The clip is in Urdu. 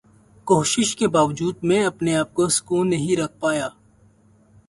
کوشش کے باوجود میں اپنے آپ کو سکون نہیں رکھ پایا۔